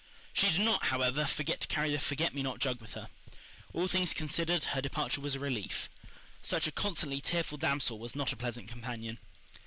She did not, however, forget to carry the forget me not jug with her. All things considered, her departure was a relief. Such a constantly tearful damsel was not a pleasant companion.